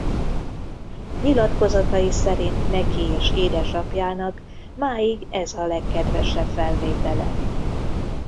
Nyilatkozatai szerint neki és édesapjának máig ez a legkedvesebb felvétele.